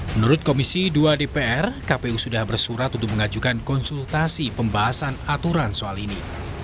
menurut komisi dua dpr kpu sudah bersurat untuk mengajukan konsultasi pembahasan aturan soal ini